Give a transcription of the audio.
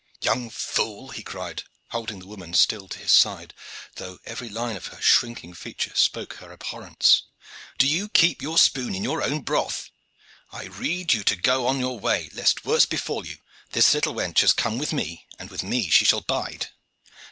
"Young fool!" he cried, holding the woman still to his side, though every line of her shrinking figure spoke her abhorrence. "Do you keep your spoon in your own broth. I rede you to go on your way, lest worse befall you. This little wench has come with me and with me she shall bide."